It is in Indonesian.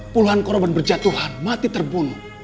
puluhan korban berjatuhan mati terbunuh